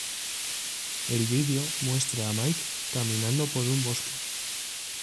El video muestra a Mike caminando por un bosque.